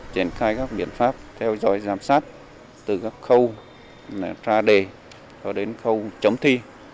triển khai các biện pháp theo dõi giám sát từ các khâu ra đề cho đến khâu chấm thi